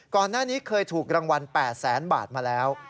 ก่อนหน้านี้เคยถูกรางวัล๘แสนบาทมาแล้ว